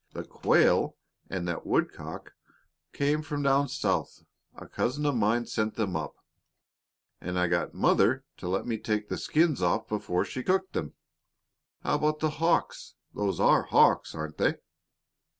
The quail and that woodcock came from down South. A cousin of mine sent them up, and I got Mother to let me take the skins off before she cooked them." "How about the hawks those are hawks, aren't they?"